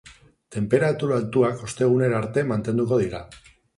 Tenperatura altuak ostegunera arte mantenduko dira.